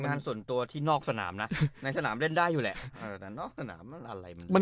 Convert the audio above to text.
ผลงานส่วนตัวที่นอกสนามนะในสนามเล่นได้อยู่แหละ